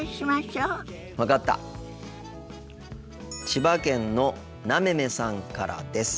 千葉県のなめめさんからです。